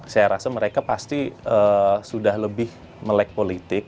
saya rasa mereka pasti sudah lebih melek politik